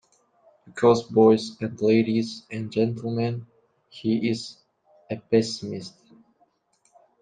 Because, boys and ladies and gentlemen, he is a pessimist.